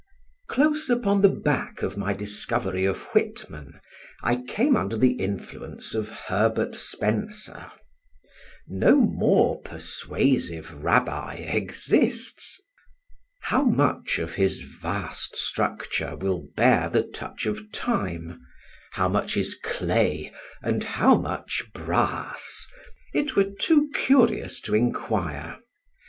Close upon the back of my discovery of Whitman, I came under the influence of Herbert Spencer. No more persuasive rabbi exists. How much of his vast structure will bear the touch of time, how much is clay and how much brass, it were too curious to inquire.